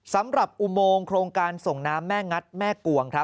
อุโมงโครงการส่งน้ำแม่งัดแม่กวง